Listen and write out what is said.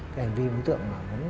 cái hành vi mục đích nhân đạo